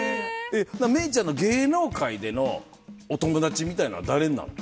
芽郁ちゃんの芸能界でのお友達みたいなのは、誰になるの？